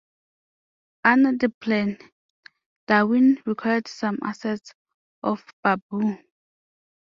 Under the plan, Darwin acquired some assets of Baboo.